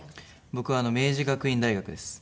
僕は明治学院大学です。